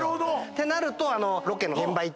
てなると。